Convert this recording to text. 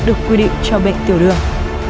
được quy định cho bệnh tiểu đường